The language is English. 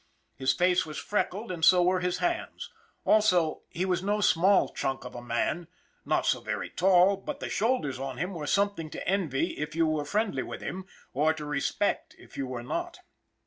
His face was freckled and so were his hands; also, he was no small chunk of a man, not so very tall, but the shoulders on him were something to envy if you were friendly with him, or to respect if you were not.